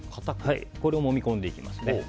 これをもみ込んでいきます。